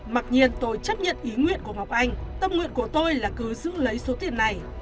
mặc nhiên tôi chấp nhận ý nguyện của ngọc anh tâm nguyện của tôi là cứ giữ lấy số tiền này